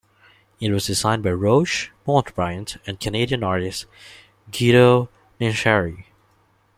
It was designed by Roch Montbriant and Canadian artist Guido Nincheri.